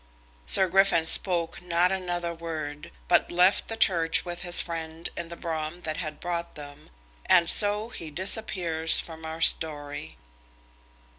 Sir Griffin spoke not another word, but left the church with his friend in the brougham that had brought them, and so he disappears from our story.